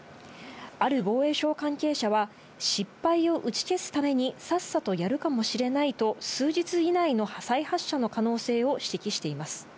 ある防衛省関係者は、失敗を打ち消すためにさっさとやるかもしれないと、数日以内の再発射の可能性を指摘しています。